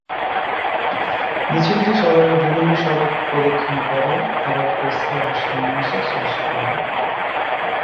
মিছিলটি শহরের বিভিন্ন সড়ক প্রদক্ষিণ করে আবার প্রেসক্লাবের সামনে এসে শেষ হয়।